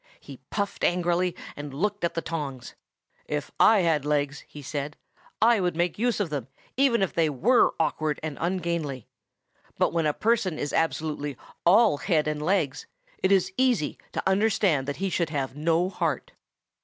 He puffed angrily, and looked at the tongs. "If I had legs," he said, "I would make some use of them, even if they were awkward and ungainly. But when a person is absolutely all head and legs, it is easy to understand that he should have no heart."